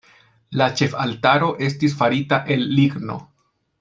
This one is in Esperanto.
La ĉefaltaro estis farita el ligno.